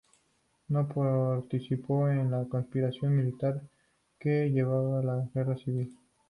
No participó en la conspiración militar que llevaría a la guerra civil.